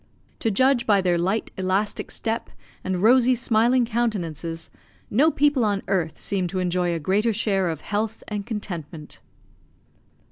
To judge by their light elastic step and rosy smiling countenances, no people on earth seem to enjoy a greater share of health and contentment.